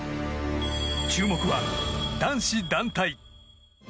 注目は男子団体。